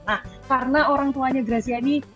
nah karena orang tuanya gracia ini